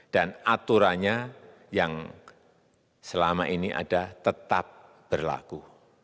dan aturannya yang selama ini ada tetap berlaku